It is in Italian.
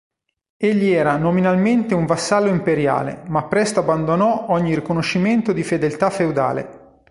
Egli era nominalmente un vassallo imperiale, ma presto abbandonò ogni riconoscimento di fedeltà feudale.